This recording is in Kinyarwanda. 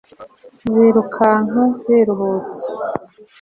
Birukanka biruhutsa